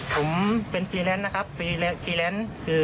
ผมเป็นเฟรีแรนสนะครับ